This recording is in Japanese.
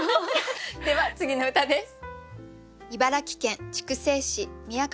では次の歌です。